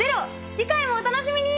次回もお楽しみに！